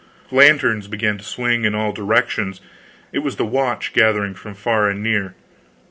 Lanterns began to swing in all directions; it was the watch gathering from far and near.